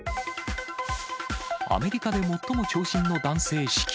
アメリカで最も長身の男性死去。